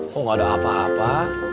kok gak ada apa apa